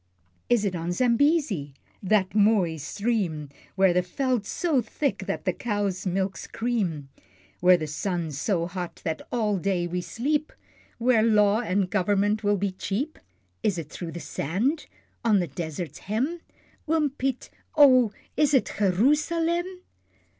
Is it on Zambesi, that mooi stream, Where the veld's so thick that the cows' milk's cream, Where the sun's so hot that all day we sleep Where Law and Government will be cheap? Is it through the sand? on the desert's hem? Oom Piet oh! is it Gee roo salem?